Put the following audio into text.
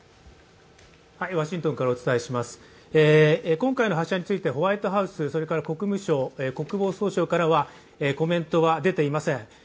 今回の発射についてホワイトハウス、そして国務省、国防総省からはコメントは出ていません。